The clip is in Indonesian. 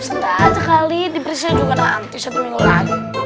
sedap sekali diberinya juga nanti satu minggu lagi